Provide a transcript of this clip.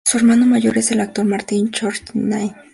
Su hermano mayor es el actor Martin Cochrane.